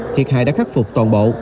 thiệt hại đã khắc phục toàn bộ